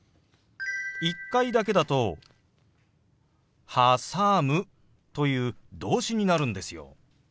１回だけだと「はさむ」という動詞になるんですよ。